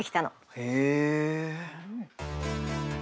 へえ。